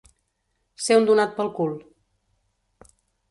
Ser un donat pel cul.